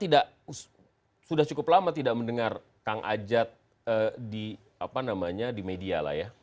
kita sudah cukup lama tidak mendengar kang ajat di media